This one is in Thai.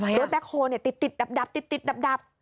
ด้วยแบคโฮล์ติดดับ